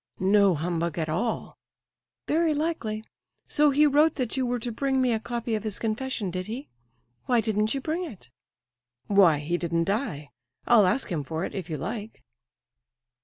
"No humbug at all." "Very likely. So he wrote that you were to bring me a copy of his confession, did he? Why didn't you bring it?" "Why, he didn't die! I'll ask him for it, if you like."